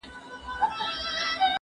زه بايد کتابتون پاک کړم!